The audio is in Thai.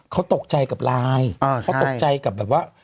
เขาตกใจกับไลน์เขาตกใจกับแบบว่า